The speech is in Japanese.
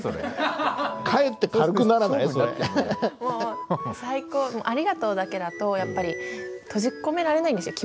もう最高「ありがとう」だけだとやっぱり閉じ込められないんですよ